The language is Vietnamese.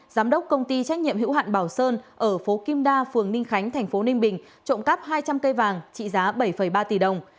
giám đốc công ty trách nhiệm hữu hạn bảo sơn ở phố kim đa phường ninh khánh thành phố ninh bình trộm cắp hai trăm linh cây vàng trị giá bảy ba tỷ đồng